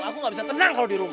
aku gak bisa tenang kalau di rumah